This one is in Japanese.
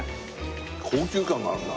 高級感があるな。